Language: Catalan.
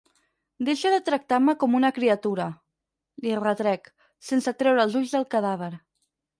Deixa de tractar-me com una criatura —li retrec, sense treure els ulls del cadàver—.